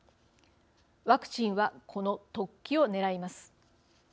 ワクチンはこの突起をねらいます。